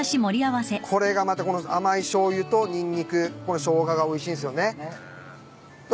これがまたこの甘いしょうゆとニンニクショウガがおいしいんすよね。